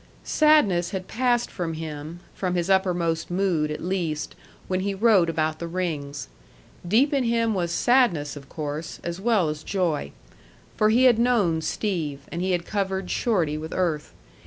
Sadness had passed from him from his uppermost mood, at least, when he wrote about the rings. Deep in him was sadness of course, as well as joy. For he had known Steve, and he had covered Shorty with earth.